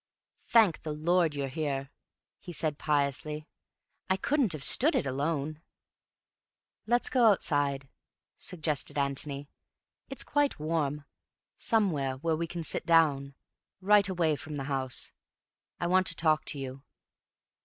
"Thank the Lord you're here," he said piously. "I couldn't have stood it alone." "Let's go outside," suggested Antony. "It's quite warm. Somewhere where we can sit down, right away from the house. I want to talk to you."